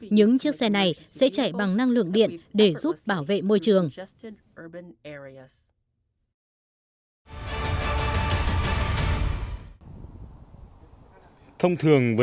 những chiếc xe này sẽ chạy bằng năng lượng điện để giúp bảo vệ môi trường